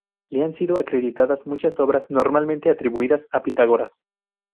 Le han sido acreditadas muchas obras normalmente atribuidas a Pitágoras.